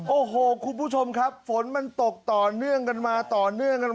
โอ้โหคุณผู้ชมครับฝนมันตกต่อเนื่องกันมาต่อเนื่องกัน